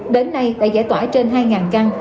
đến nay đã giải tỏa trên hai căn